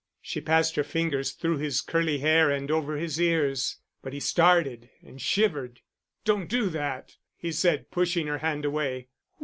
She passed her fingers through his curly hair and over his ears; but he started, and shivered. "Don't do that," he said, pushing her hand away.